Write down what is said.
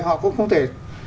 họ cũng không thể